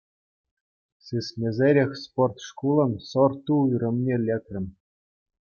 Сисмесӗрех спорт шкулӗн сӑрт-ту уйрӑмне лекрӗм.